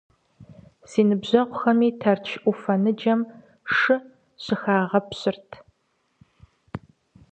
Си ныбжьэгъухэми Тэрч Ӏуфэ ныджэм шы щыхагъэпщырт.